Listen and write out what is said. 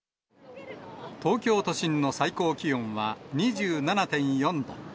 東京都心の最高気温は２７．４度。